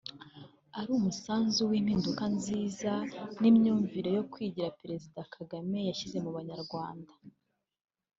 ari umusaruro w’impinduka nziza n’imyumvire yo kwigira Perezida Kagame yashyize mu banyarwanda